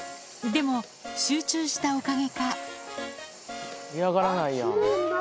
でも、集中したおかげか。